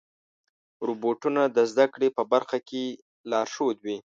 روبوټونه د زدهکړې په برخه کې لارښود وي.